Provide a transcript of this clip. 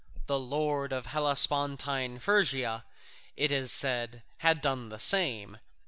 The Lord of Hellespontine Phrygia, it is said, had done the same.